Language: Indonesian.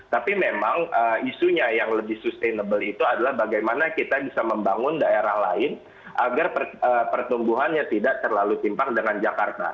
tapi memang isunya yang lebih sustainable itu adalah bagaimana kita bisa membangun daerah lain agar pertumbuhannya tidak terlalu timpang dengan jakarta